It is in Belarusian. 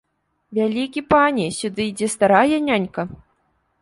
Вялікі пане, сюды ідзе старая нянька!